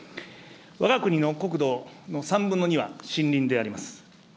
わが国の国土の３分の２は森林であります。